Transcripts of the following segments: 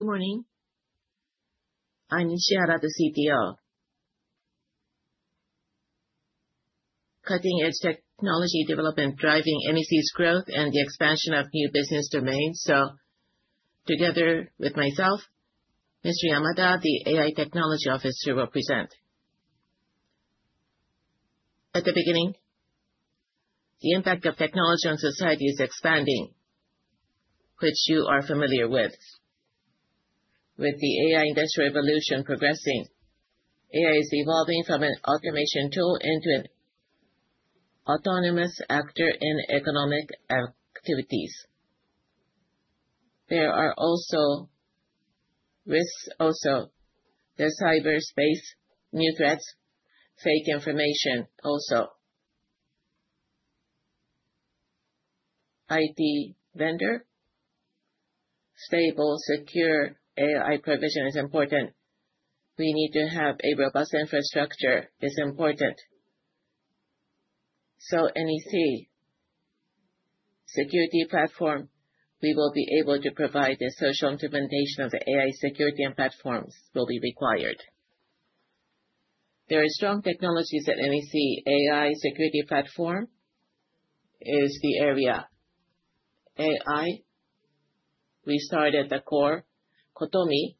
Good morning. I'm Nishihara, the CTO. Cutting-edge technology development driving NEC's growth and the expansion of new business domains. Together with myself, Mr. Yamada, the AI technology officer, will present. At the beginning, the impact of technology on society is expanding, which you are familiar with. With the AI industrial revolution progressing, AI is evolving from an automation tool into an autonomous actor in economic activities. There are risks also. There's cyberspace, new threats, fake information also. IT vendor, stable, secure AI provision is important. We need to have a robust infrastructure is important. NEC security platform, we will be able to provide the social implementation of the AI security and platforms will be required. There are strong technologies at NEC. AI security platform is the area. AI, we start at the core, cotomi,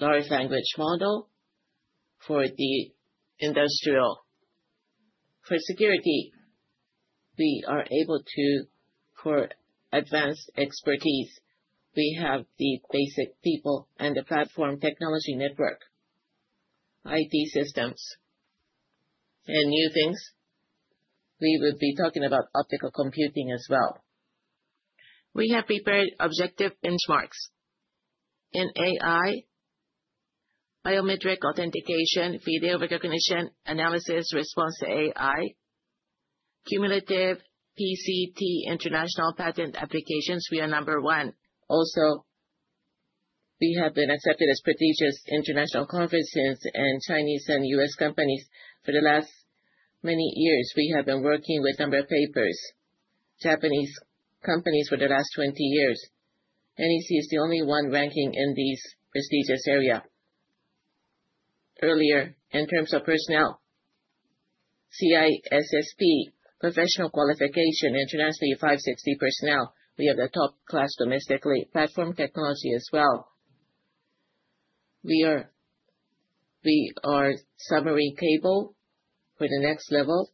large language model for the industrial. For security, we are able to for advanced expertise. We have the basic people and the platform technology network, IT systems and new things. We will be talking about optical computing as well. We have prepared objective benchmarks. In AI, biometric authentication, video recognition, analysis, response to AI, cumulative PCT international patent applications, we are number one. Also, we have been accepted as prestigious international conferences and Chinese and U.S. companies for the last many years. We have been working with number of papers, Japanese companies for the last 20 years. NEC is the only one ranking in these prestigious area. Earlier, in terms of personnel, CISSP professional qualification, internationally 560 personnel. We have the top class domestically. Platform technology as well. We are submarine cable for the next level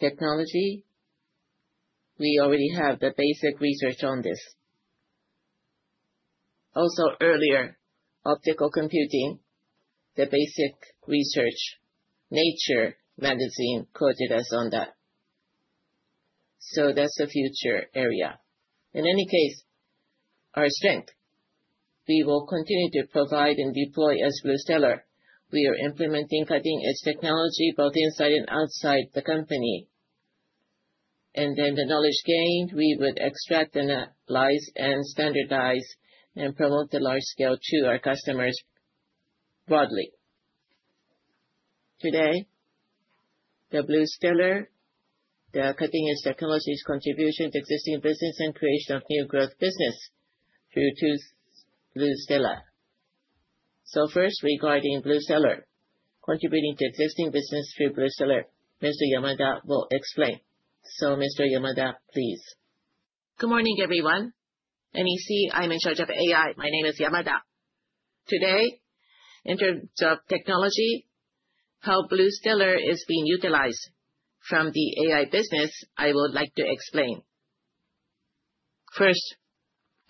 technology. We already have the basic research on this. Earlier, optical computing, the basic research, "Nature" magazine quoted us on that. That's the future area. In any case, our strength, we will continue to provide and deploy as BluStellar. We are implementing cutting-edge technology both inside and outside the company. The knowledge gained, we would extract, analyze, and standardize and promote the large scale to our customers broadly. Today, the BluStellar, the cutting-edge technologies contribution to existing business and creation of new growth business through BluStellar. First, regarding BluStellar, contributing to existing business through BluStellar, Mr. Yamada will explain. Mr. Yamada, please. Good morning, everyone. NEC, I'm in charge of AI. My name is Yamada. Today, in terms of technology, how BluStellar is being utilized from the AI business, I would like to explain. First,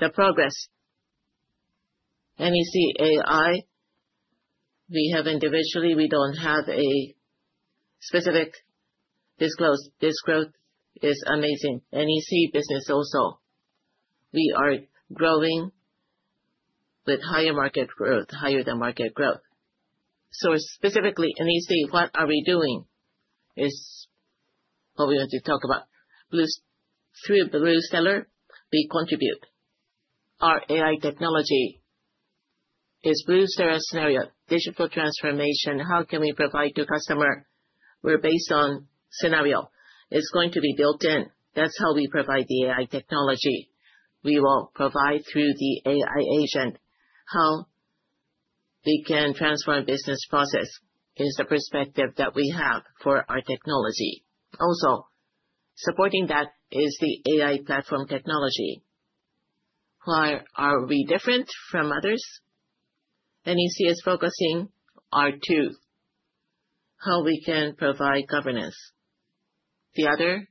the progress. NEC AI, we have individually, we don't have a specific disclose. This growth is amazing. NEC business also, we are growing with higher market growth, higher than market growth. Specifically, NEC, what are we doing? Is what we want to talk about. Through BluStellar, we contribute. Our AI technology is BluStellar scenario, digital transformation, how can we provide to customer? We're based on scenario. It's going to be built in. That's how we provide the AI technology. We will provide through the AI agent, how we can transform business process is the perspective that we have for our technology. Supporting that is the AI platform technology. Why are we different from others? NEC is focusing on two, how we can provide governance. The other,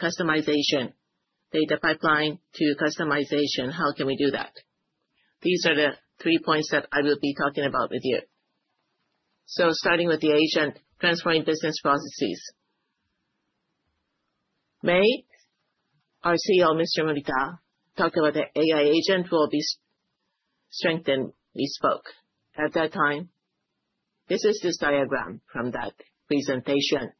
customization, data pipeline to customization, how can we do that? These are the three points that I will be talking about with you. Starting with the agent, transforming business processes. In May, our CEO, Mr. Morita, talked about the AI agent will be strengthened, he spoke at that time. This is this diagram from that presentation.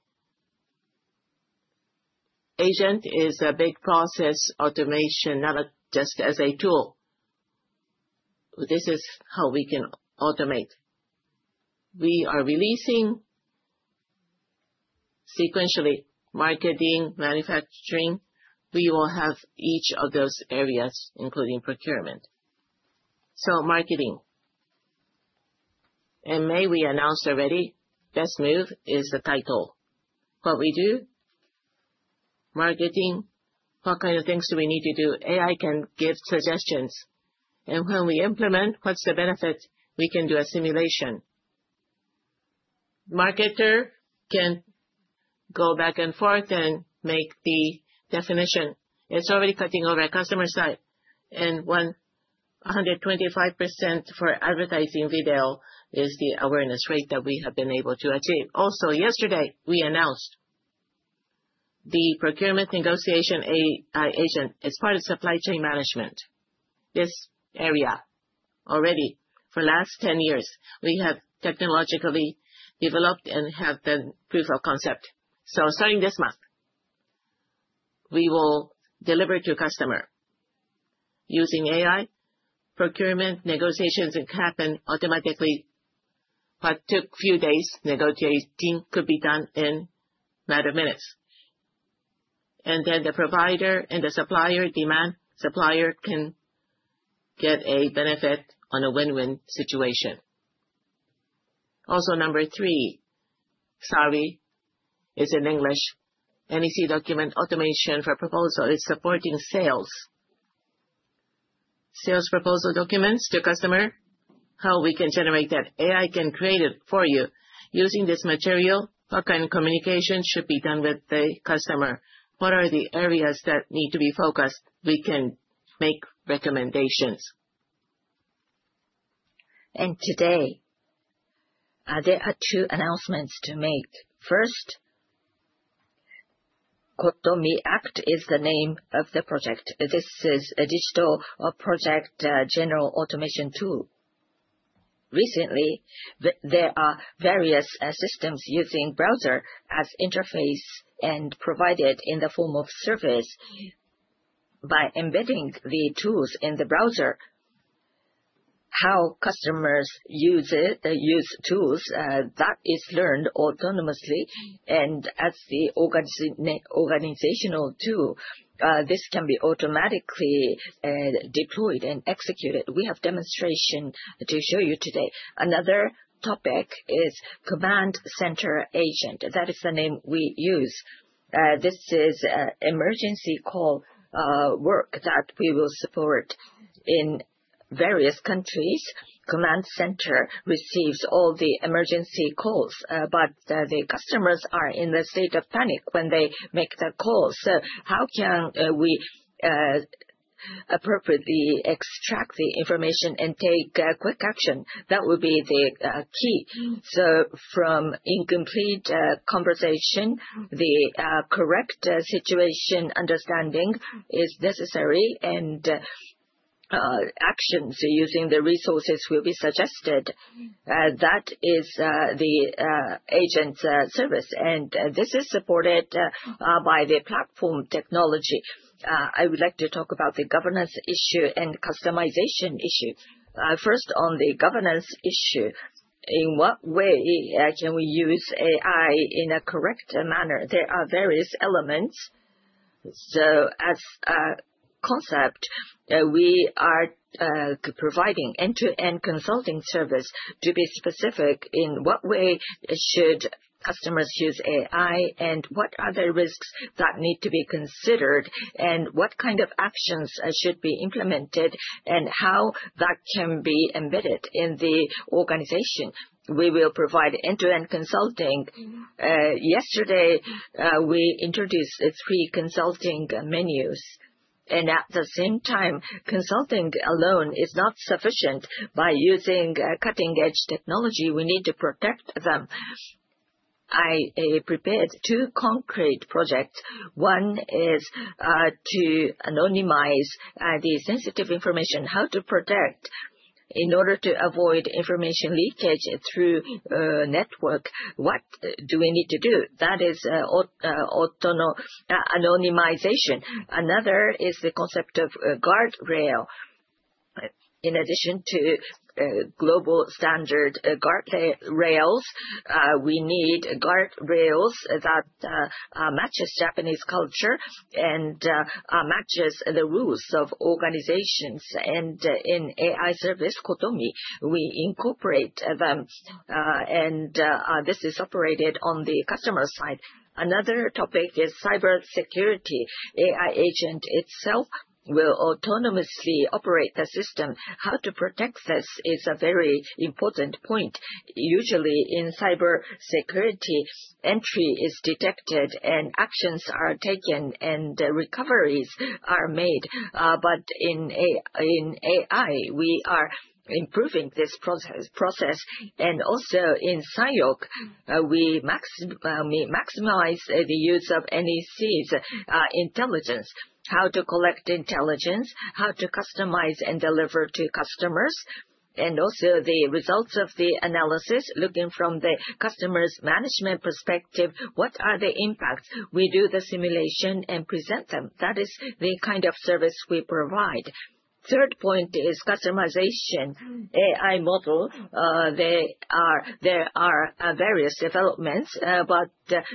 Agent is a big process automation, not just as a tool. This is how we can automate. We are releasing sequentially, marketing, manufacturing, we will have each of those areas, including procurement. Marketing. In May, we announced already, BestMove is the title. What we do, marketing, what kind of things do we need to do? AI can give suggestions. When we implement, what is the benefit? We can do a simulation. Marketer can go back and forth and make the definition. It is already cutting over at customer side. 125% for advertising VDL is the awareness rate that we have been able to achieve. Yesterday, we announced the procurement negotiation agent as part of supply chain management. This area, already for the last 10 years, we have technologically developed and have the proof of concept. Starting this month, we will deliver to customer. Using AI, procurement negotiations that happen automatically, what took a few days negotiating could be done in a matter of minutes. The provider and the supplier demand, supplier can get a benefit on a win-win situation. Number 3, sorry, it is in English, NEC document automation for proposal is supporting sales. Sales proposal documents to customer, how we can generate that? AI can create it for you. Using this material, what kind of communication should be done with the customer? What are the areas that need to be focused? We can make recommendations. Today, there are two announcements to make. First, cotomi Act is the name of the project. This is a digital project general automation tool. Recently, there are various systems using browser as interface and provided in the form of service. By embedding the tools in the browser, how customers use it, they use tools, that is learned autonomously and as the organizational tool, this can be automatically deployed and executed. We have demonstration to show you today. Another topic is Command Center Agent. That is the name we use. This is emergency call work that we will support in various countries. Command center receives all the emergency calls, but the customers are in a state of panic when they make the call. How can we appropriately extract the information and take quick action? That will be the key. From incomplete conversation, the correct situation understanding is necessary. Actions using the resources will be suggested. That is the agent service. This is supported by the platform technology. I would like to talk about the governance issue and customization issue. First, on the governance issue, in what way can we use AI in a correct manner? There are various elements. As a concept, we are providing end-to-end consulting service to be specific, in what way should customers use AI, what are the risks that need to be considered, what kind of actions should be implemented and how that can be embedded in the organization. We will provide end-to-end consulting. Yesterday, we introduced three consulting menus. At the same time, consulting alone is not sufficient. By using cutting-edge technology, we need to protect them. I prepared two concrete projects. One is to anonymize the sensitive information, how to protect in order to avoid information leakage through network. What do we need to do? That is anonymization. Another is the concept of guardrail. In addition to global standard guardrails, we need guardrails that matches Japanese culture and matches the rules of organizations. In AI service, NEC cotomi, we incorporate them, and this is operated on the customer side. Another topic is cybersecurity. AI agent itself will autonomously operate the system. How to protect this is a very important point. Usually, in cybersecurity, entry is detected and actions are taken and recoveries are made. In AI, we are improving this process. Also in CylOC, we maximize the use of NEC's intelligence, how to collect intelligence, how to customize and deliver to customers, and also the results of the analysis, looking from the customer's management perspective, what are the impacts. We do the simulation and present them. That is the kind of service we provide. Third point is customization AI model. There are various developments, but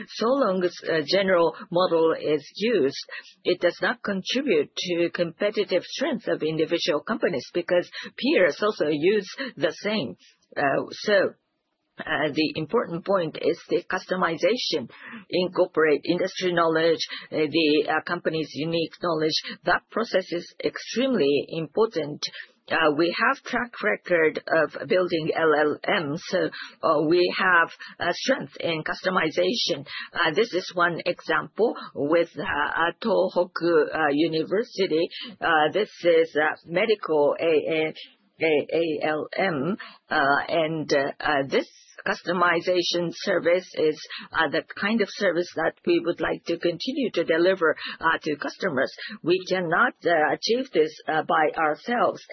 so long as a general model is used, it does not contribute to competitive strength of individual companies because peers also use the same. The important point is the customization incorporate industry knowledge, the company's unique knowledge. That process is extremely important. We have track record of building LLMs, so we have a strength in customization. This is one example with Tohoku University. This is a medical LLM, and this customization service is the kind of service that we would like to continue to deliver to customers. We cannot achieve this by ourselves.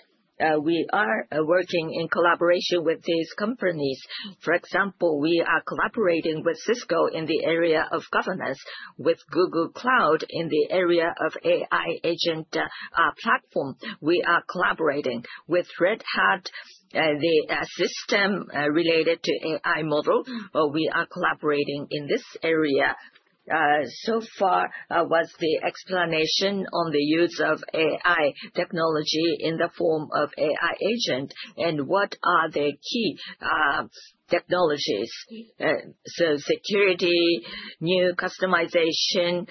We are working in collaboration with these companies. For example, we are collaborating with Cisco in the area of governance, with Google Cloud in the area of AI agent platform. We are collaborating with Red Hat, the system related to AI model. We are collaborating in this area. Far was the explanation on the use of AI technology in the form of AI agent and what are the key technologies. Security, new customization,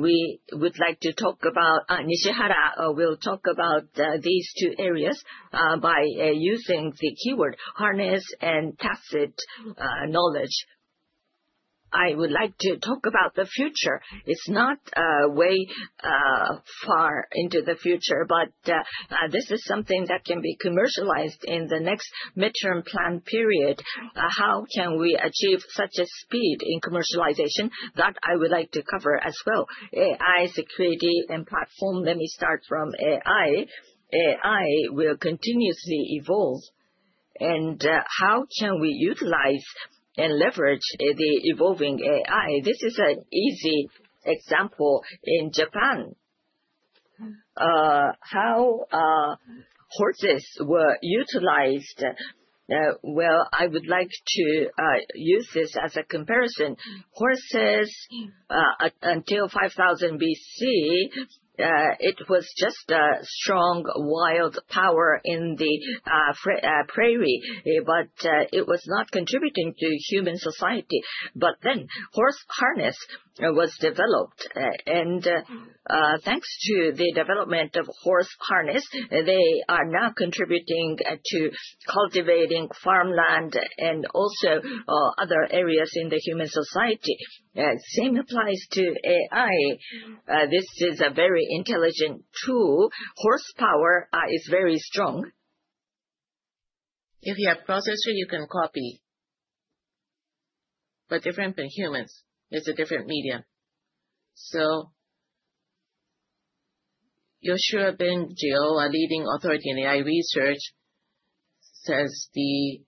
we would like to talk about. Nishihara will talk about these two areas by using the keyword harness and tacit knowledge. I would like to talk about the future. It's not way far into the future, but this is something that can be commercialized in the next midterm plan period. How can we achieve such a speed in commercialization? That I would like to cover as well. AI security and platform. Let me start from AI. AI will continuously evolve, and how can we utilize and leverage the evolving AI? This is an easy example in Japan. How horses were utilized, well, I would like to use this as a comparison. Horses, until 5000 BC, it was just a strong wild power in the prairie, it was not contributing to human society. Horse harness was developed, thanks to the development of horse harness, they are now contributing to cultivating farmland and also other areas in the human society. Same applies to AI. This is a very intelligent tool. Horsepower is very strong. If you have processor, you can copy. Different than humans, it's a different medium. Yoshua Bengio, a leading authority in AI research, says the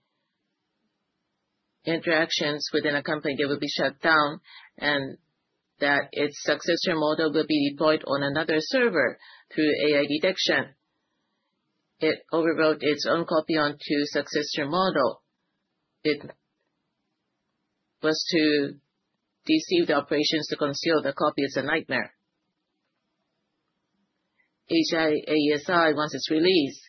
interactions within a company, they will be shut down and that its successor model will be deployed on another server through AI detection. It overwrote its own copy onto successor model. It was to deceive the operations to conceal the copy. It's a nightmare. AGI, ASI, once it's released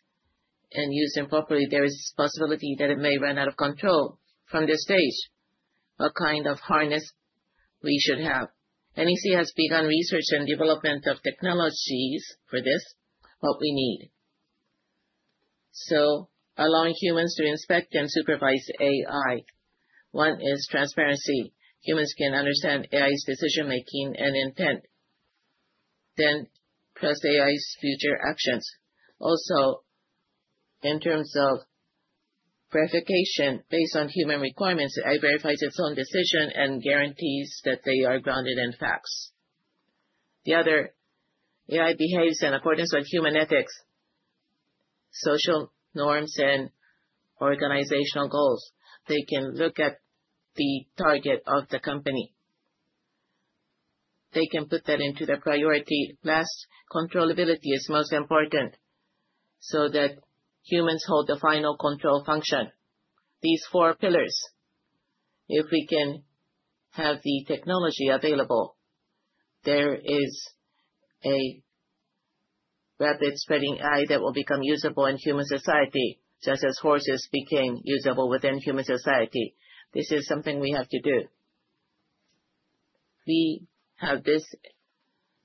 and used improperly, there is possibility that it may run out of control. From this stage, what kind of harness we should have? NEC has begun research and development of technologies for this, what we need. Allowing humans to inspect and supervise AI. One is transparency. Humans can understand AI's decision-making and intent, then press AI's future actions. In terms of verification based on human requirements, AI verifies its own decision and guarantees that they are grounded in facts. The other, AI behaves in accordance with human ethics, social norms, and organizational goals. They can look at the target of the company. They can put that into the priority. Last, controllability is most important so that humans hold the final control function. These four pillars, if we can have the technology available, there is a rapid spreading AI that will become usable in human society, such as horses became usable within human society. This is something we have to do. We have this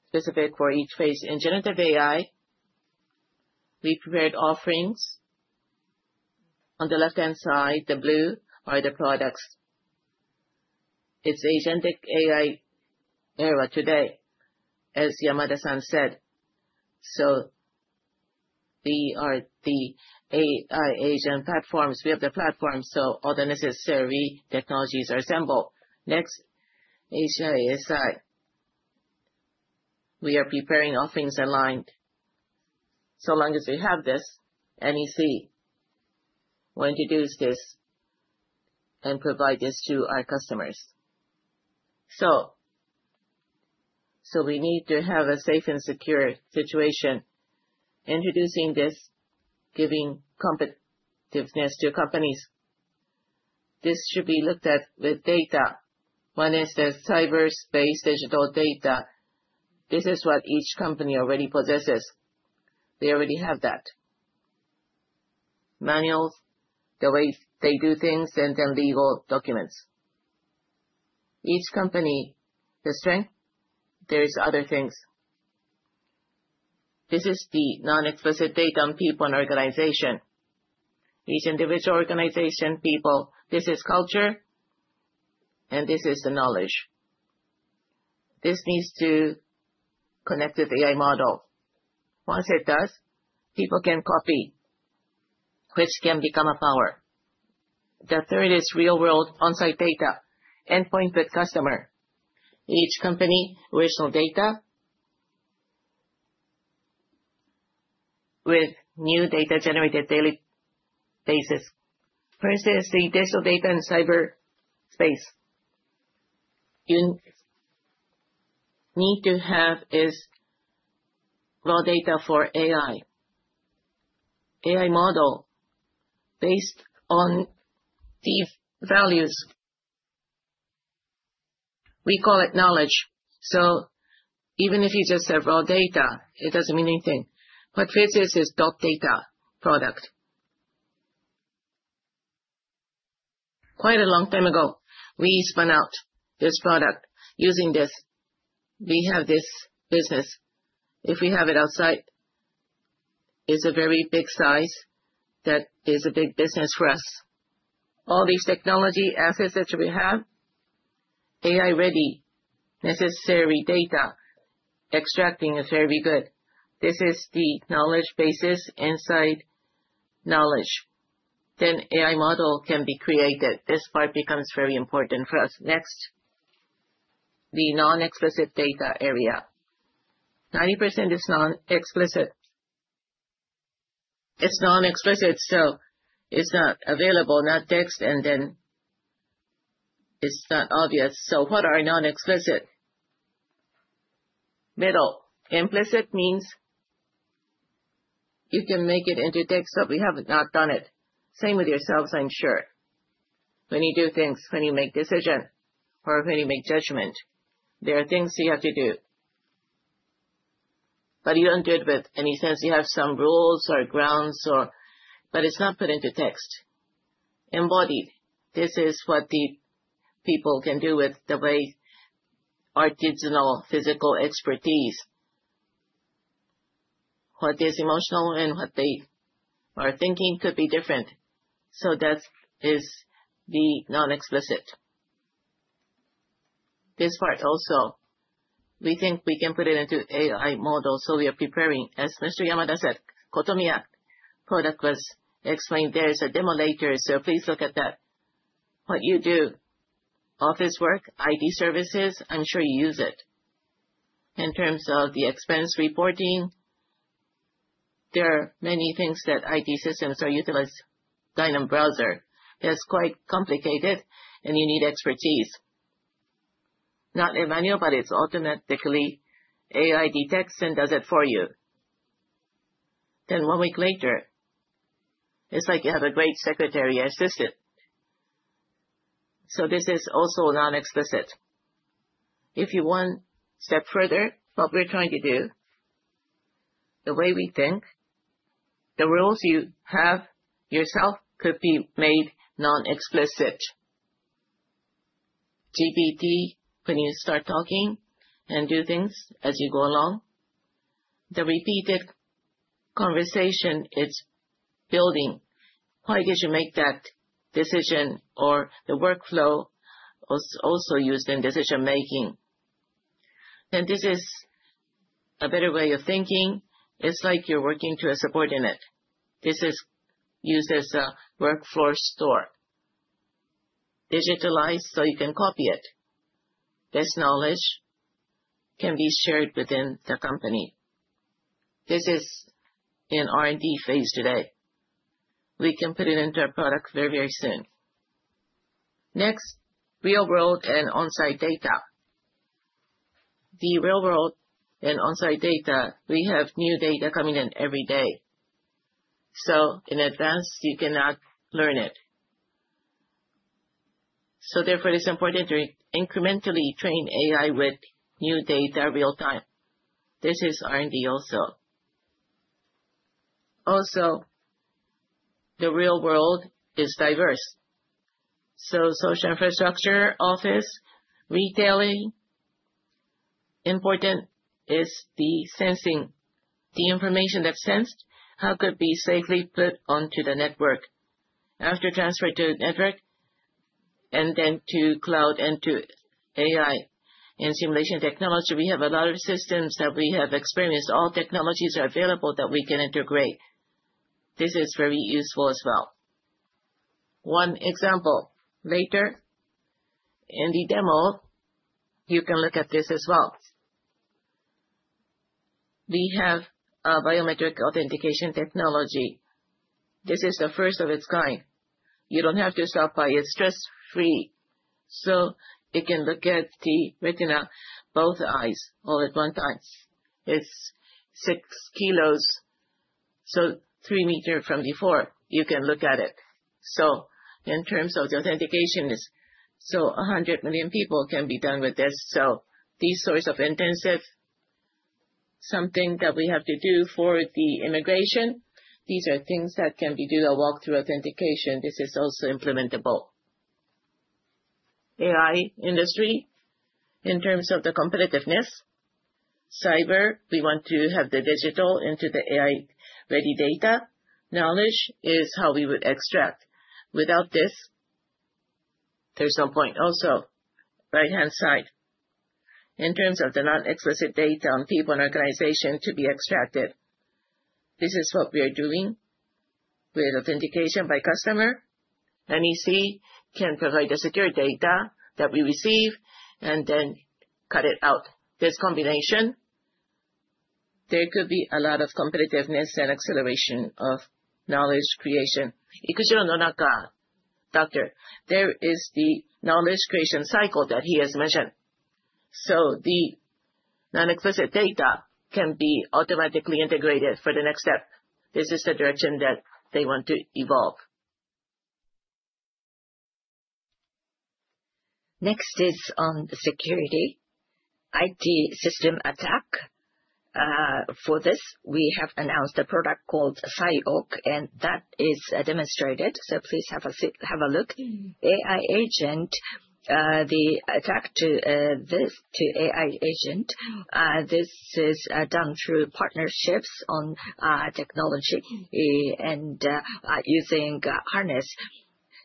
specific for each phase. In generative AI, we prepared offerings. On the left-hand side, the blue are the products. It's agentic AI era today, as Yamada-san said. We are the AI agent platforms. We have the platform, so all the necessary technologies are assembled. Next, ASI. We are preparing offerings aligned. Long as we have this, NEC We want to use this and provide this to our customers. We need to have a safe and secure situation. Introducing this, giving competitiveness to companies. This should be looked at with data. One is the cyberspace digital data. This is what each company already possesses. They already have that. Manuals, the way they do things, and then legal documents. Each company, the strength, there's other things. This is the non-explicit data on people and organization. Each individual organization, people, this is culture, and this is the knowledge. This needs to connect with AI model. Once it does, people can copy, which can become a power. The third is real-world on-site data, endpoint with customer. Each company, original data, with new data generated daily basis. First is the digital data and cyber space. You need to have is raw data for AI. AI model based on these values, we call it knowledge. Even if you just have raw data, it doesn't mean anything. What fits is dotData product. Quite a long time ago, we spun out this product. Using this, we have this business. If we have it outside, it's a very big size that is a big business for us. All these technology assets that we have, AI-ready, necessary data, extracting is very good. This is the knowledge basis, inside knowledge. AI model can be created. This part becomes very important for us. Next, the non-explicit data area. 90% is non-explicit. It's non-explicit, so it's not available, not text, and it's not obvious. What are non-explicit? Middle. Implicit means you can make it into text, but we have not done it. Same with yourselves, I'm sure. When you do things, when you make decision, or when you make judgment, there are things you have to do. You don't do it with any sense. You have some rules or grounds. It's not put into text. Embodied. This is what the people can do with the way artisanal physical expertise. What is emotional and what they are thinking could be different. That is the non-explicit. This part also, we think we can put it into AI model, so we are preparing. As Mr. Yamada said, cotomi Act product was explained. There is a demo later, so please look at that. What you do, office work, IT services, I'm sure you use it. In terms of the expense reporting, there are many things that IT systems are utilized, dynamic browser. It's quite complicated and you need expertise. Not a manual, but it's automatically AI detects and does it for you. One week later, it's like you have a great secretary assistant. This is also non-explicit. If you one step further, what we're trying to do, the way we think, the rules you have yourself could be made non-explicit. GPT, when you start talking and do things as you go along, the repeated conversation it's building, how did you make that decision or the workflow was also used in decision-making. This is a better way of thinking. It's like you're working to a subordinate. This is used as a workflow store. Digitalized so you can copy it. This knowledge can be shared within the company. This is in R&D phase today. We can put it into a product very soon. Next, real world and on-site data. The real world and on-site data, we have new data coming in every day. In advance, you cannot learn it. Therefore, it's important to incrementally train AI with new data real-time. This is R&D also. The real world is diverse. Social infrastructure, office, retailing, important is the sensing. The information that's sensed, how could it be safely put onto the network? After transfer to network and to cloud and to AI. In simulation technology, we have a lot of systems that we have experienced. All technologies are available that we can integrate. This is very useful as well. One example, later in the demo, you can look at this as well. We have a biometric authentication technology. This is the first of its kind. You don't have to stop by, it's stress free. It can look at the retina, both eyes all at one time. It is 6 kilos, 3 meters from before, you can look at it. In terms of the authentication, 100 million people can be done with this. These sorts of intensive, something that we have to do for the immigration, these are things that can be do a walk through authentication. This is also implementable. AI industry, in terms of the competitiveness. Cyber, we want to have the digital into the AI-ready data. Knowledge is how we would extract. Without this, there's no point. Right-hand side, in terms of the non-explicit data on people and organization to be extracted, this is what we are doing with authentication by customer. NEC can provide the secure data that we receive and then cut it out. This combination, there could be a lot of competitiveness and acceleration of knowledge creation. Ikujiro Nonaka, doctor, there is the knowledge creation cycle that he has mentioned. The non-explicit data can be automatically integrated for the next step. This is the direction that they want to evolve. Next is on security. IT system attack. For this, we have announced a product called CylOC, and that is demonstrated, so please have a look. AI agent, the attack to AI agent, this is done through partnerships on technology and using harness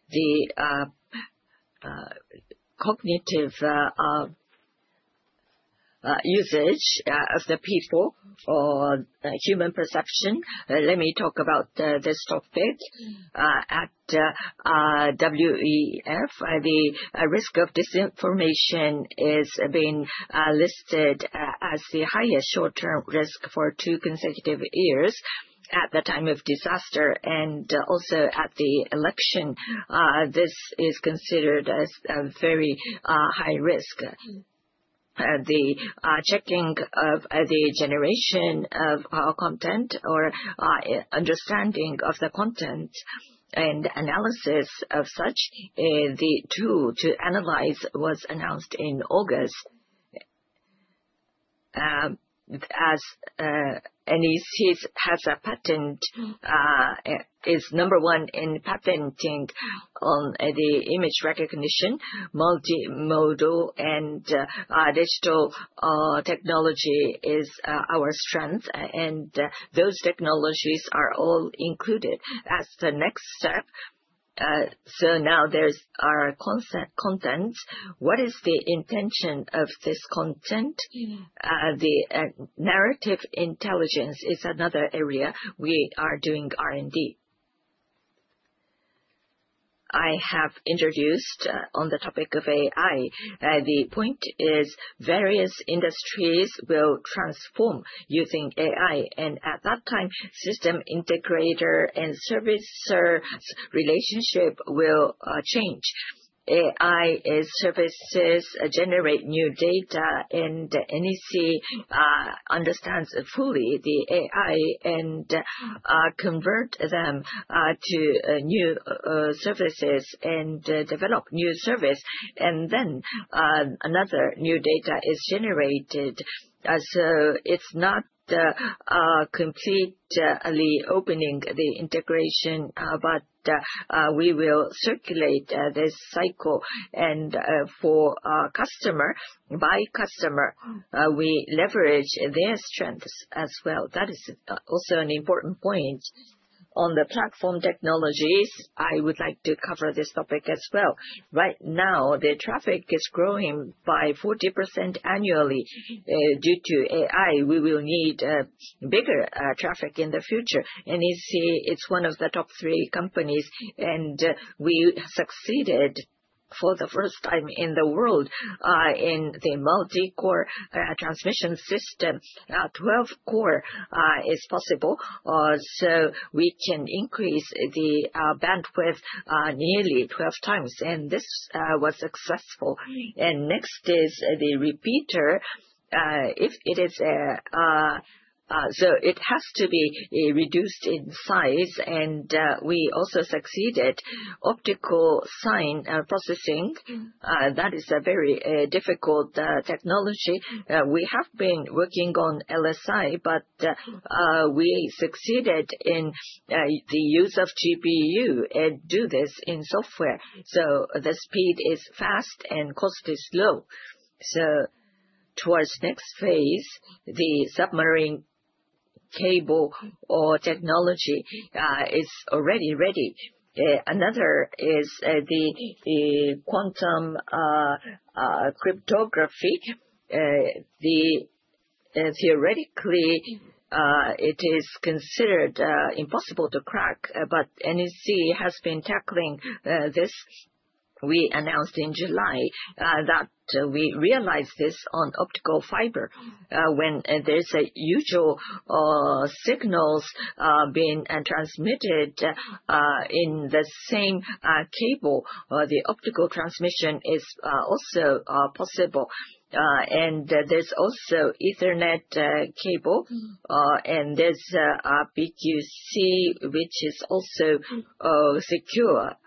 the cognitive usage of the people for human perception. Let me talk about this topic. At WEF, the risk of disinformation is being listed as the highest short-term risk for 2 consecutive years at the time of disaster and also at the election. This is considered as a very high risk. The checking of the generation of content or understanding of the content and analysis of such, the tool to analyze was announced in August. As NEC has a patent, is number one in patenting on the image recognition, multi-modal and digital technology is our strength, and those technologies are all included as the next step. Now there's our content. What is the intention of this content? The narrative intelligence is another area we are doing R&D. I have introduced on the topic of AI. The point is various industries will transform using AI, and at that time, system integrator and servicer relationship will change. AI services generate new data, and NEC understands fully the AI and convert them to new services and develop new service. Another new data is generated. It's not completely opening the integration, but we will circulate this cycle and for customer, by customer, we leverage their strengths as well. That is also an important point. On the platform technologies, I would like to cover this topic as well. Right now, the traffic is growing by 40% annually. Due to AI, we will need bigger traffic in the future. NEC is one of the top three companies, and we succeeded for the first time in the world in the multi-core transmission system. 12-core is possible, so we can increase the bandwidth nearly 12 times, and this was successful. Next is the repeater. It has to be reduced in size, and we also succeeded optical signal processing. That is a very difficult technology. We have been working on LSI, but we succeeded in the use of GPU and do this in software. The speed is fast and cost is low. Towards next phase, the submarine cable or technology is already ready. Another is the quantum cryptography. Theoretically, it is considered impossible to crack, but NEC has been tackling this. We announced in July that we realized this on optical fiber. When there's usual signals being transmitted in the same cable, the optical transmission is also possible. There's also Ethernet cable, and there's PQC, which is also secure.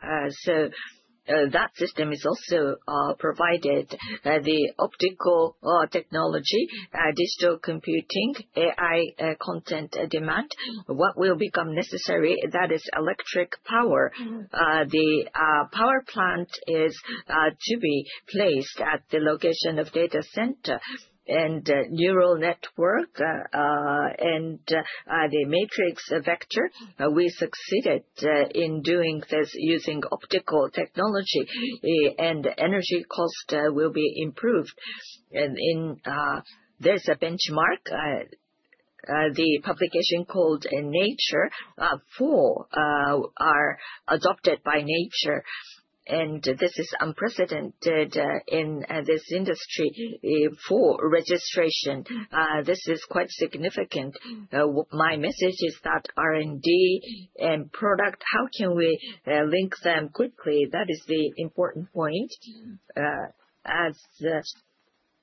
That system is also provided. The optical technology, digital computing, AI content demand. What will become necessary, that is electric power. The power plant is to be placed at the location of data center and neural network, and the matrix vector. We succeeded in doing this using optical technology, and energy cost will be improved. There's a benchmark, the publication called Nature. Four are adopted by Nature. This is unprecedented in this industry for registration. This is quite significant. My message is that R&D and product, how can we link them quickly? That is the important point. As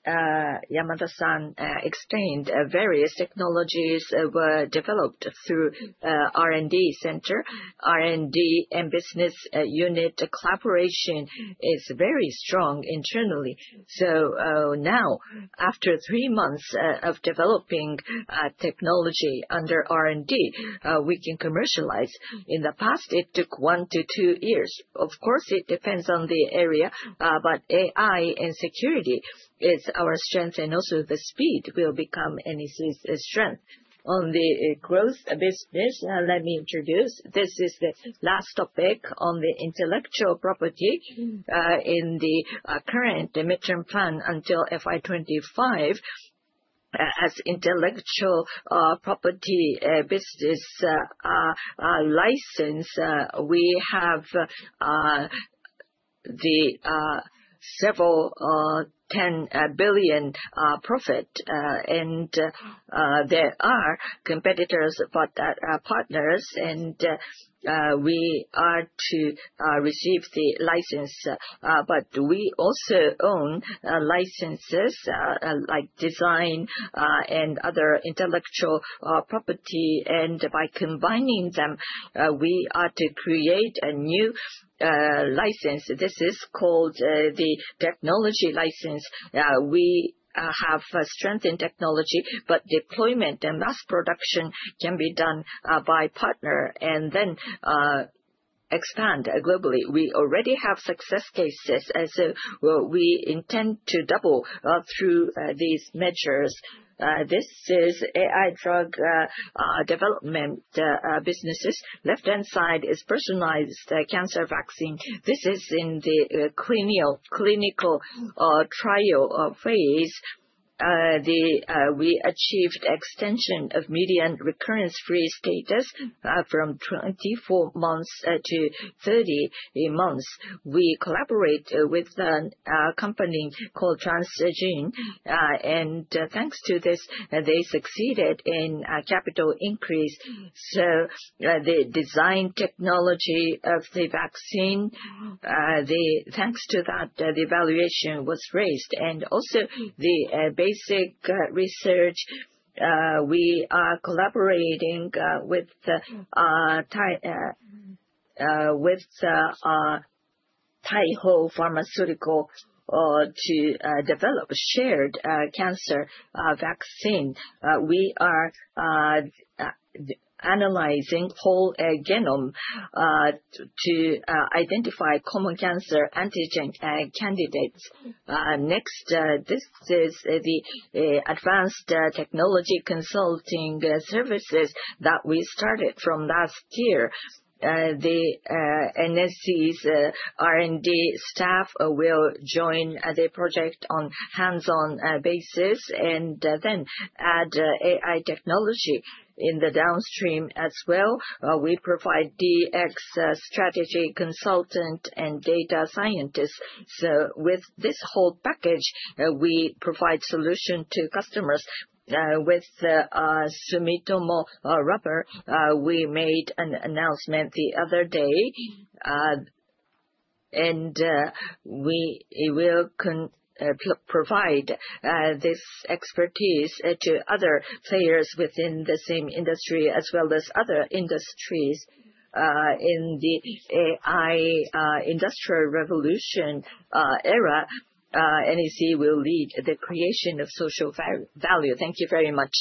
Yamada-san explained, various technologies were developed through R&D center. R&D and business unit collaboration is very strong internally. Now, after three months of developing technology under R&D, we can commercialize. In the past, it took one to two years. Of course, it depends on the area, but AI and security is our strength, and also the speed will become NEC's strength. On the growth business, let me introduce, this is the last topic on the intellectual property. In the current mid-term plan until FY 2025, as intellectual property business license, we have the several JPY 10 billion profit. There are competitors, but partners, and we are to receive the license. We also own licenses like design and other intellectual property, and by combining them, we are to create a new license. This is called the technology license. We have strength in technology. Deployment and mass production can be done by partner, and then expand globally. We already have success cases. We intend to double through these measures. This is AI drug development businesses. Left-hand side is personalized cancer vaccine. This is in the clinical trial phase. We achieved extension of median recurrence-free status from 24 months to 30 months. We collaborate with a company called Transgene. Thanks to this, they succeeded in capital increase. The design technology of the vaccine, thanks to that, the valuation was raised. The basic research, we are collaborating with Taiho Pharmaceutical to develop shared cancer vaccine. We are analyzing whole genome to identify common cancer antigen candidates. Next, this is the advanced technology consulting services that we started from last year. The NEC's R&D staff will join the project on hands-on basis and then add AI technology in the downstream as well. We provide DX strategy consultant and data scientists. With this whole package, we provide solution to customers. With Sumitomo Rubber, we made an announcement the other day, and we will provide this expertise to other players within the same industry, as well as other industries. In the AI industrial revolution era, NEC will lead the creation of social value. Thank you very much.